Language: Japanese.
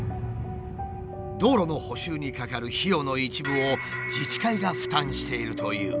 道路の補修にかかる費用の一部を自治会が負担しているという。